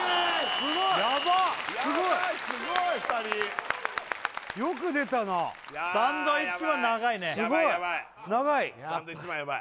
すごいすごいやばいすごい２人よく出たなサンドウィッチマン長いねすごい長いサンドウィッチマンやばい